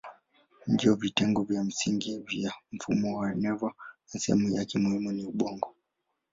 Ndiyo vitengo vya msingi vya mfumo wa neva na sehemu yake muhimu ni ubongo.